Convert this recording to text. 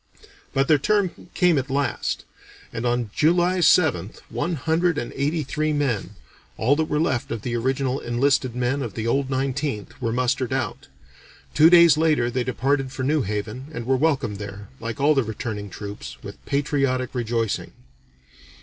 But their turn came at last, and on July 7th, one hundred and eighty three men, all that were left of the original enlisted men of the "old Nineteenth," were mustered out; two days later they departed for New Haven and were welcomed there, like all the returning troops, with patriotic rejoicing.